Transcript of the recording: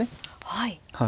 はい。